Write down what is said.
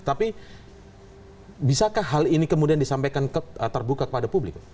tapi bisakah hal ini kemudian disampaikan terbuka kepada publik